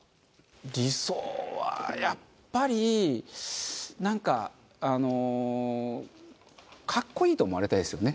理想はやっぱりなんかあの格好いいと思われたいですよね。